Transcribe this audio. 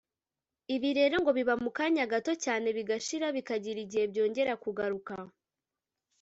ibi rero ngo biba mu kanya gato cyane bigashira bikagira igihe byongera kugaruka